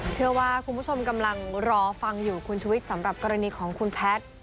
เชื่อว่าคุณผู้ชมกำลังรอฟังอยู่คุณชุวิตสำหรับกรณีของคุณแพทย์